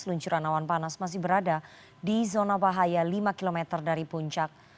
luncuran awan panas masih berada di zona bahaya lima km dari puncak